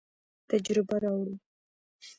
تجربه راوړو.